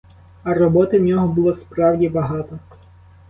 А роботи в нього було справді багато.